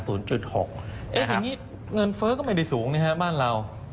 อย่างนี้เงินเฟ้อก็ไม่ได้สูงนะครับบ้านเรา